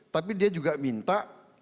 tapi dia juga minta